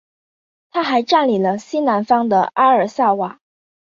他还占领了西南方的阿尔萨瓦。